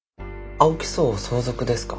青木荘を相続ですか？